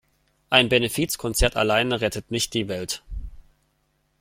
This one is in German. Ein Benefizkonzert alleine rettet nicht die Welt.